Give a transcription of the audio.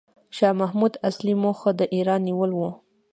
شاه محمود اصلي موخه د ایران نیول و.